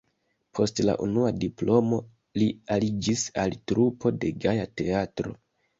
Post la unua diplomo li aliĝis al trupo de Gaja Teatro.